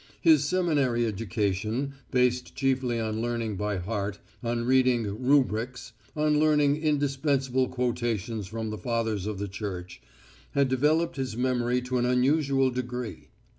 His seminary education, based chiefly on learning by heart, on reading "rubrics," on learning indispensable quotations from the fathers of the Church, had developed his memory to an unusual degree.